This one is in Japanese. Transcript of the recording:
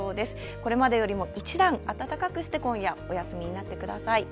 これまでよりも一段温かくて今夜、お休みになってください。